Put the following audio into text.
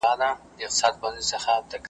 ملاجان ته خدای ورکړي نن د حورو قافلې دي .